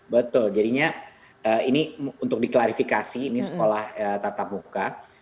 betul jadinya ini untuk diklarifikasi ini sekolah tatap muka